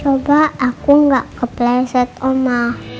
coba aku nggak kepleset oma